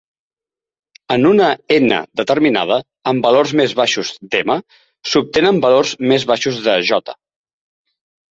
En una "n" determinada, amb valors més baixos d'"m" s'obtenen valors més baixos de "j".